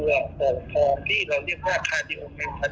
เป็นความผิดผลิตที่สร้างเนื้อหัวใจแล้วมีการ